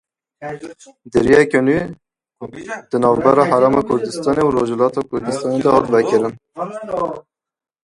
Deriyekî nû di navbera Herêma Kurdistanê û Rojhilatê Kurdistanê de hat vekirin.